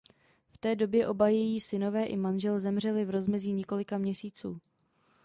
V té době oba její synové i manžel zemřeli v rozmezí několika měsíců.